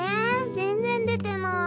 全然出てない。